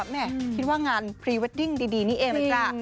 แม่คิดว่างานพรีเวดดิ้งดีนี่เองเลยจ้า